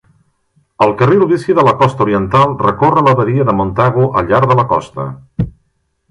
El carril bici de la costa oriental recorre la badia de Montagu al llarg de la costa.